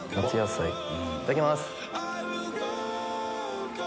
いただきます。